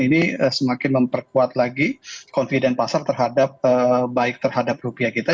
ini semakin memperkuat lagi confident pasar terhadap baik terhadap rupiah kita